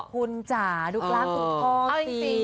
ดูกล้ามคุณพ่อสิ